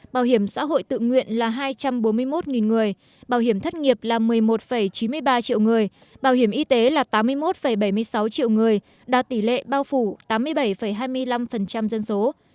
bảo hiểm xã hội tự nguyện là hai trăm bốn mươi một người bảo hiểm thất nghiệp là một mươi một chín mươi ba triệu người bảo hiểm y tế là tám mươi một bảy mươi sáu triệu người đạt tỷ lệ bao phủ tám mươi bảy hai mươi năm dân số